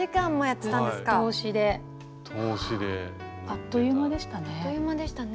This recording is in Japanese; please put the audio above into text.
あっという間でしたね。